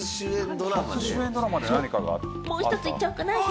もう一つ、言っちゃおうかな。